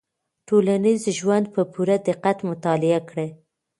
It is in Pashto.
ټولنیز ژوند په پوره دقت مطالعه کړئ.